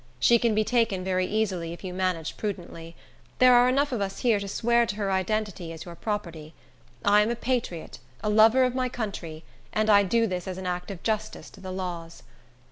She can be taken very easily, if you manage prudently. There are enough of us here to swear to her identity as your property. I am a patriot, a lover of my country, and I do this as an act of justice to the laws."